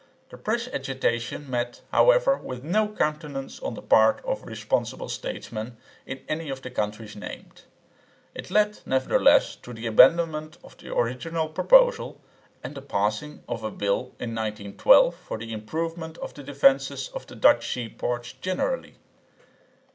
The press agitation met, however, with no countenance on the part of responsible statesmen in any of the countries named; it led nevertheless to the abandonment of the original proposal and the passing of a bill in 1912 for the improvement of the defences of the Dutch sea ports generally.